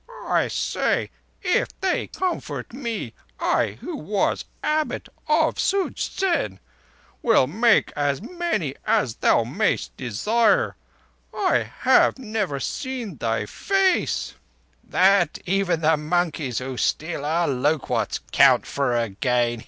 "I say, if they comfort thee, I who was Abbot of Such zen, will make as many as thou mayest desire. I have never seen thy face—" "That even the monkeys who steal our loquats count for again.